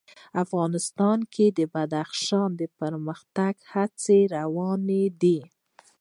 افغانستان کې د بدخشان د پرمختګ هڅې روانې دي.